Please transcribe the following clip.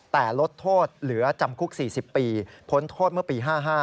แต่ลดโทษเหลือจำคุก๔๐ปีพ้นโทษเมื่อปี๕๕